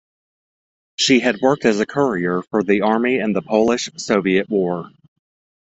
She had worked as a courier for the army in the Polish-Soviet War.